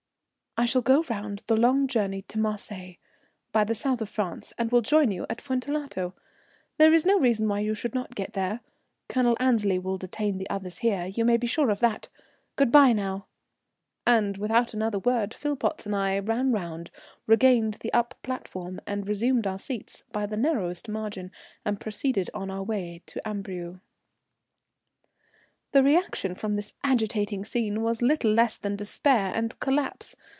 "I shall go round the long journey to Marseilles, by the South of France, and will join you at Fuentellato. There is no reason why you should not get there. Colonel Annesley will detain the others here, you may be sure of that. Good bye, now," and without another word Philpotts and I ran round, regained the up platform, resumed our seats by the narrowest margin and proceeded on our way to Amberieu. The reaction from this agitating scene was little less than despair and collapse.